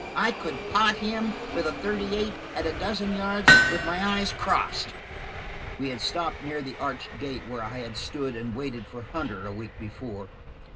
I could pot him with a thirty eight at a dozen yards, with my eyes crossed." We had stopped near the arched gate where I had stood and waited for Hunter, a week before.